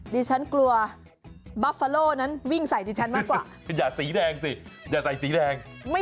ดูจากหน้าตาแล้วนะ